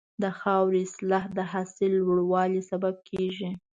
د خاورې اصلاح د حاصل لوړوالي سبب کېږي.